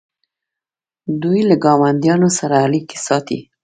دوی له ګاونډیانو سره اړیکې ساتي.